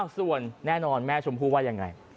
ส่วนแม่ชมพู่ว่าอย่างไร